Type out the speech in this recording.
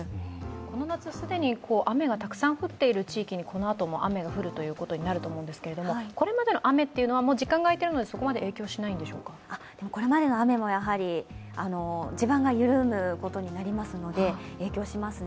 この夏、既に雨がたくさん降っている地域にこのあとも雨が降るということになると思うんですけどこれまでの雨というのは時間が空いているのでこれまでの雨も、地盤が緩むことになりますので影響しますね。